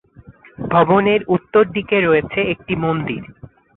ভবনের উত্তরদিকে রয়েছে একটি মন্দির।